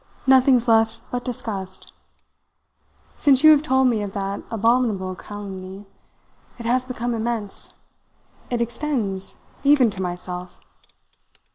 Nothing's left but disgust. Since you have told me of that abominable calumny, it has become immense it extends even to myself."